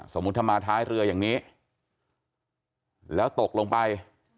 สมมุติถ้ามาท้ายเรืออย่างนี้แล้วตกลงไป